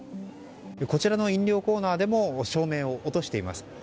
こちらの飲料コーナーでも照明を落としています。